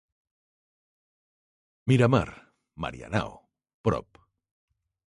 Miramar, Marianao, Prov.